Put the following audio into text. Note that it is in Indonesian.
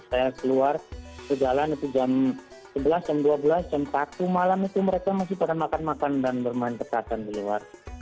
saya keluar berjalan itu jam sebelas jam dua belas jam satu malam itu mereka masih pernah makan makan dan bermain petasan di luar